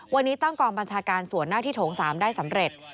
วันนี้ตั้งกองบัญชาการส่วนหน้าที่โถง๓ได้สำเร็จ